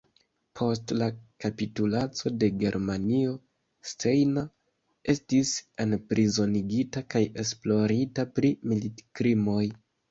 Post la kapitulaco de Germanio, Steiner estis enprizonigita kaj esplorita pri militkrimoj.